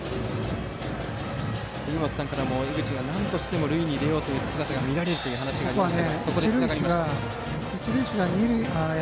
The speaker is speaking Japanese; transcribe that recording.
杉本さんからも江口はなんとしても塁に出ようという姿が見られるという話でした。